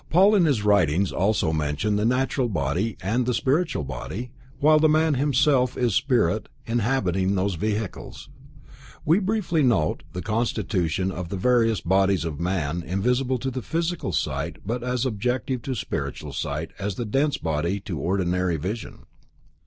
Paul, in his writings, also mentions the natural body and the spiritual body while the man himself is a spirit inhabiting those vehicles. We will briefly note the constitution of the various bodies of man invisible to the physical sight but as objective to spiritual sight as the dense body to ordinary vision.